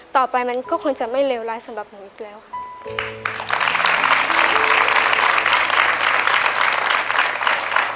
ต่อไปมันก็คงจะไม่เลวร้ายสำหรับหนูอีกแล้วค่ะ